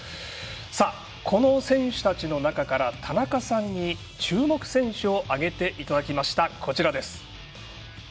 さあ、この選手たちの中から田中さんに注目選手を挙げていただきました。